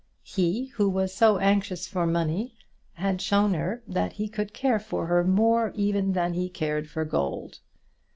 He, who was so anxious for money, had shown her that he could care for her more even than he cared for gold.